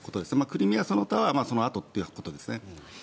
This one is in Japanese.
クリミアその他はそのあとということですね。